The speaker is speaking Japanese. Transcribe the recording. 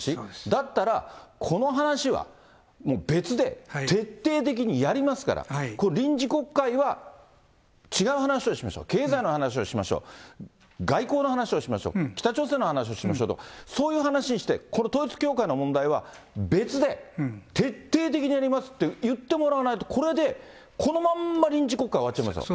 だったら、この話はもう別で、徹底的にやりますから、臨時国会は違う話をしましょう、経済の話をしましょう、外交の話をしましょう、北朝鮮の話をしましょうと、そういう話して、この統一教会の問題は、別で、徹底的にやりますって言ってもらわないと、これでこのまんま臨時国会終わっちゃいますよ。